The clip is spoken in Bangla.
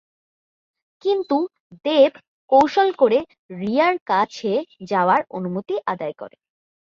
কিন্তু "দেব" কৌশল করে "রিয়া"র কাছে যাবার অনুমতি আদায় করে।